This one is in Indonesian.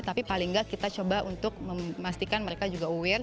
tapi paling nggak kita coba untuk memastikan mereka juga aware